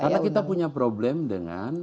karena kita punya problem dengan